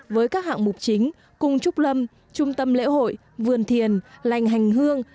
với các hạng mục chính cung trúc lâm trung tâm lễ hội vườn thiền lành hành hương